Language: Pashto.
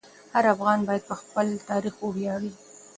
هر افغان باید په خپل تاریخ وویاړي.